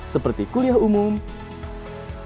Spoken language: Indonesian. seperti kuliah uang rupiah